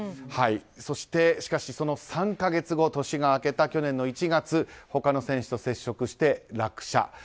しかし、その３か月後年が明けた去年の１月他の選手と接触して落車。